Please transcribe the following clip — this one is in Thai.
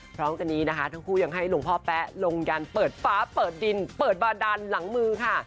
พร้อมกันนี้นะคะทั้งคู่ยังให้หลวงพ่อแป๊ะลงยันเปิดฟ้าเปิดดินเปิดบาดันหลังมือค่ะ